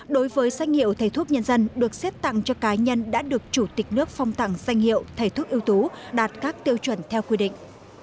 đối với danh hiệu thầy thuốc nhân dân được xếp tặng cho cá nhân đã được chủ tịch nước phong tặng danh hiệu thầy thuốc ưu tú đạt các tiêu chuẩn theo quy định